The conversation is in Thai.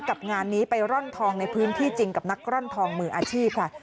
กับงานนี้ไปร่อนทองในพื้นที่จริงกับนักร่อนทองมืออาชีพค่ะ